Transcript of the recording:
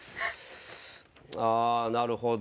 あー、なるほど。